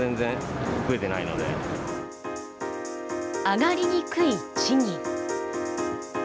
上がりにくい賃金。